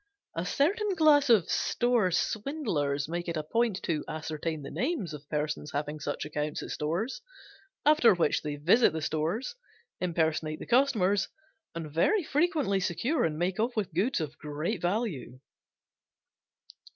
A certain class of store swindlers make it a point to ascertain the names of persons having such accounts at stores after which they visit the stores, impersonate the customers, and very frequently secure and make off with goods of great value.